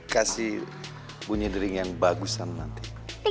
kasih bunyi dering yang bagusan nanti